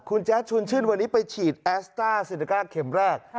คุณแจ๊ดชวนชื่นวันนี้ไปฉีดแอสต้าเซเนก้าเข็มแรก